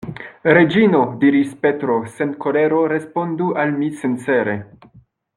Reĝino, diris Petro sen kolero, respondu al mi sincere.